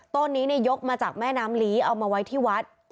ต้นนี้ยกมาจากแม่น้ำลีเอามาไว้ที่วัด